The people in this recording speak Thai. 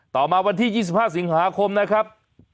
ต่อมาวันที่๒๕สิงหาคมนะครับ